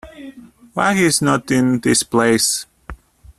Why, he is not in this place.